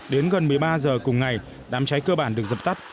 đến gần một mươi ba h cùng ngày đám cháy cơ bản được dập tắt